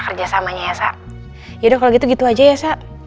kerjasamanya ya sak yaudah kalau gitu gitu aja ya sa